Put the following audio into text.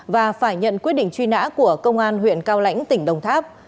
và phải nhận quyết định truy nã của công an huyện cao lãnh tỉnh đồng tháp